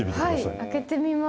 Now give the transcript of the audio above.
はい開けてみます。